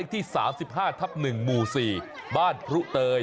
ที่๓๕ทับ๑หมู่๔บ้านพรุเตย